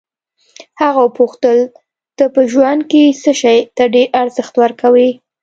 هغه وپوښتل ته په ژوند کې څه شي ته ډېر ارزښت ورکوې.